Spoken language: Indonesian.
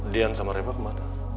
dian sama reva kemana